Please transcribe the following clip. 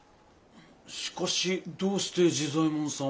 しかしどうして治左衛門さんを？